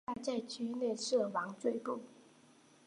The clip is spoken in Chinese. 清代在区内设王赘步。